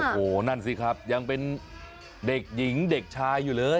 โอ้โหนั่นสิครับยังเป็นเด็กหญิงเด็กชายอยู่เลย